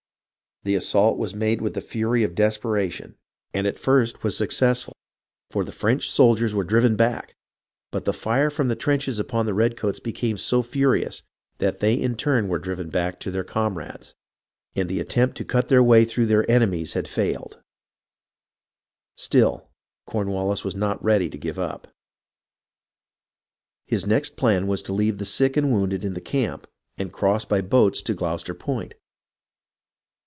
The assault was made with the fury of desperation and at first was success 380 HISTORY OF THE AMERICAN REVOLUTION ful, for the French soldiers were driven back ; but the fire from the trenches upon the redcoats became so furious that they in turn were driven back to their comrades, and the attempt to cut their way through their enemies had failed. Still Cornwallis was not ready to give up. His next plan was to leave the sick and wounded in the camp and cross by boats to Gloucester Point.